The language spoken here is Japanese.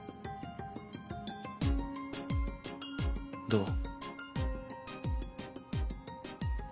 どう？